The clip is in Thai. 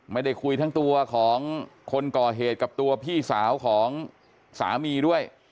ไม่ได้คุยทั้งตัวของคนก่อเหตุกับตัวพี่สาวของสามีด้วย